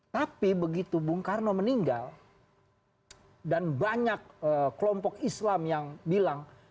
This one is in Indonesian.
tapi begitu bung karno meninggal dan banyak kelompok islam yang bilang